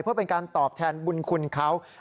เพื่อเป็นการตอบแทนบุญคุณเขา